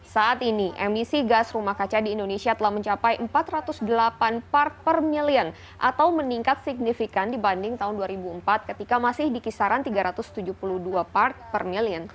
saat ini emisi gas rumah kaca di indonesia telah mencapai empat ratus delapan part per million atau meningkat signifikan dibanding tahun dua ribu empat ketika masih di kisaran tiga ratus tujuh puluh dua part per million